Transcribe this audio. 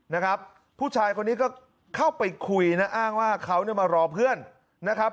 นะครับผู้ชายคนนี้ก็เข้าไปคุยนะอ้างว่าเขาเนี่ยมารอเพื่อนนะครับ